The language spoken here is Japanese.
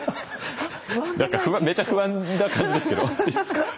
何かめちゃ不安な感じですけどいいですか？